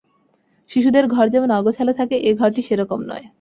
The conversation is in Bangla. শিশুদের ঘর যেমন অগোছাল থাকে, এ ঘরটি সে-রকম নয়।